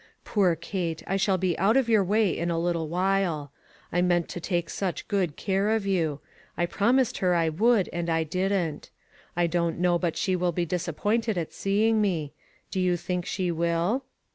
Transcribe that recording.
Poor Kate ; I shall be out of your way in a little while. I meant to take such good care of you ; I promised her I would, and I didn't. I don't know but she will be disappointed at seeing me; do you think she will